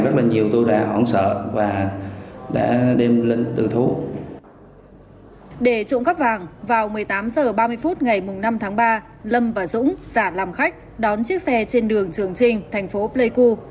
để trộm cắp vàng vào một mươi tám h ba mươi phút ngày năm tháng ba lâm và dũng giả làm khách đón chiếc xe trên đường trường trinh thành phố pleiku